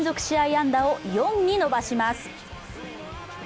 安打を４に伸ばします